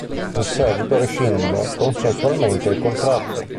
In seguito rescinde consensualmente il contratto.